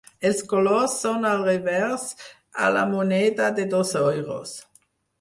Els colors són al revers a la moneda de dos euros.